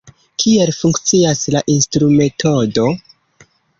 Kiel funkcias la instrumetodo?